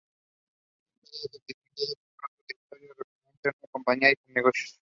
Cada certificado es un trozo de historia referente a una compañía y sus negocios.